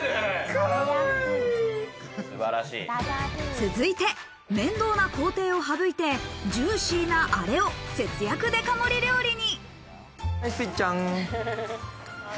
続いて面倒な工程を省いて、ジューシーなアレを節約デカ盛り料理に。